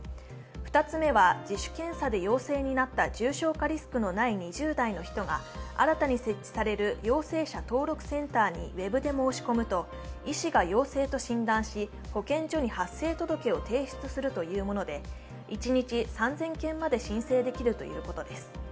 ２つ目は、自主検査で陽性になった重症化リスクのない２０代の人が新たに設置される陽性者登録センターにウェブで申し込むと医師が陽性と診断し保健所に発生届を提出するというもので一日３０００件まで申請できるということです。